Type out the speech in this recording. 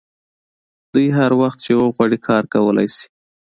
دوی هر وخت چې وغواړي کار کولی شي